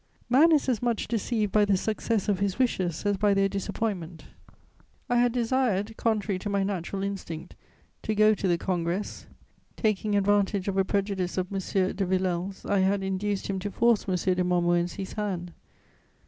] Man is as much deceived by the success of his wishes as by their disappointment: I had desired, contrary to my natural instinct, to go to the Congress; taking advantage of a prejudice of M. de Villèle's, I had induced him to force M. de Montmorency's hand.